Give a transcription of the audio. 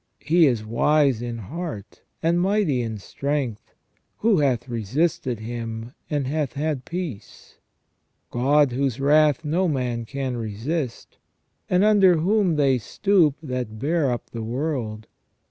, He is wise in heart, and mighty in strength : who hath resisted Him, and hath had peace? ... God, whose wrath no man can resist, and under whom they stoop that bear up the world.